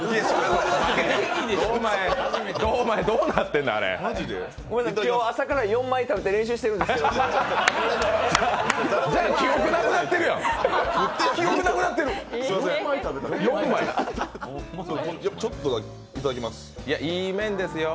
ごめんなさい、今日、朝から４枚食べて練習してるんですよ。